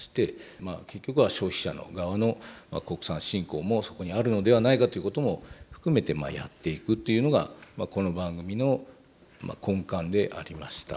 まあ結局は消費者の側の国産信仰もそこにあるのではないかということも含めてやっていくっていうのがこの番組の根幹でありました。